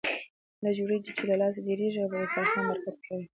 لږ وريجې يې له لاسه ډېرېږي او په دسترخوان برکت کوي.